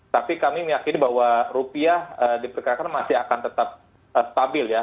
tapi kami meyakini bahwa rupiah diperkirakan masih akan tetap stabil ya